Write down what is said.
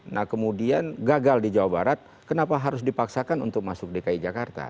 nah kemudian gagal di jawa barat kenapa harus dipaksakan untuk masuk dki jakarta